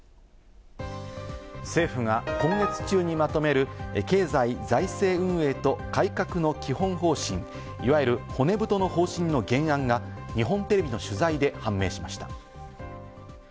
政府が今月中にまとめる経済財政運営と改革の基本方針、いわゆる骨太の方針の原案が日本テレビの取材で判明しました。